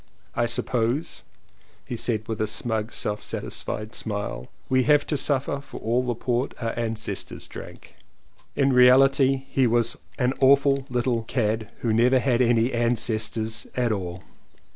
"I suppose," he said with a smug self satisfied smile, "we have to suffer for all the port our ancestors drank." In reality he was an awful little cad who had never 201 CONFESSIONS OF TWO BROTHERS had any ancestors at all.